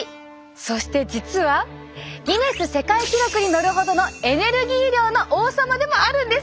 そして実はギネス世界記録に載るほどのエネルギー量の王様でもあるんです。